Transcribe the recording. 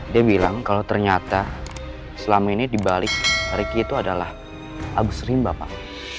dia bilang kalau ternyata selama ini dibalik ricky itu adalah agus rimba pak